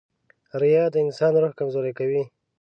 • ریا د انسان روح کمزوری کوي.